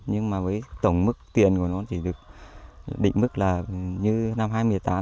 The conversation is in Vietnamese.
nhưng mà với tổng mức tiền của nó chỉ được định mức là như năm hai nghìn một mươi tám